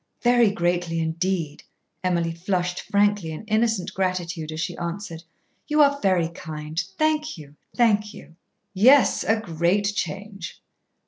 "Very greatly indeed," Emily flushed frankly in innocent gratitude as she answered. "You are very kind. Thank you, thank you." "Yes, a great change."